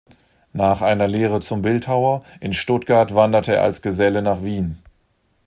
Nach einer Lehre zum Bildhauer in Stuttgart wanderte er als Geselle nach Wien.